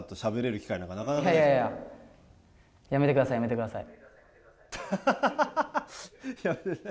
やめてください、やめてください。